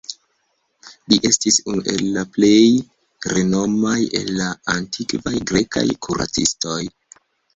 Li estis unu el la plej renomaj el la antikvaj grekaj kuracistoj.